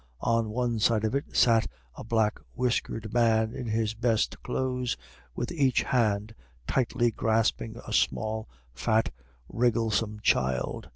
On one side of it sat a black whiskered man in his best clothes, with each hand tightly grasping a small, fat, wrigglesome child.